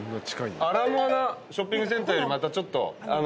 アラモアナショッピングセンターより静かですしね。